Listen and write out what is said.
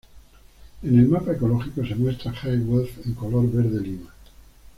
En el mapa ecológico se muestra High Weald en color verde lima.